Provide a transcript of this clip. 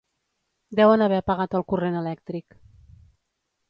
Deuen haver apagat el corrent elèctric.